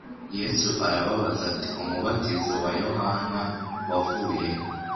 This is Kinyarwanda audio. Yesu arababaza ati : "Umubatizo waYohana wavuye he,